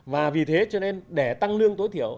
và vì thế cho nên để tăng lương tối thiểu